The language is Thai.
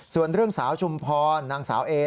ส่วนเรื่องสาวชุมพรนางสาวเอ